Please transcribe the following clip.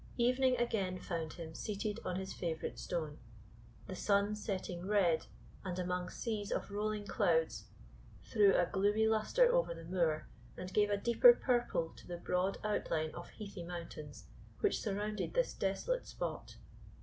Evening again found him seated on his favourite stone. The sun setting red, and among seas of rolling clouds, threw a gloomy lustre over the moor, and gave a deeper purple to the broad outline of heathy mountains which surrounded this desolate spot.